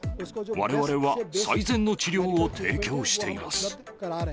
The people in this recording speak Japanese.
われわれは最善の治療を提供しています。